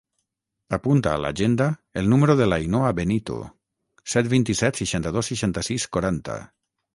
Apunta a l'agenda el número de l'Ainhoa Benito: set, vint-i-set, seixanta-dos, seixanta-sis, quaranta.